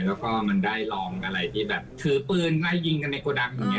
แล้วก็มันได้ลองอะไรที่แบบถือปืนไล่ยิงกันในโกดังตรงนี้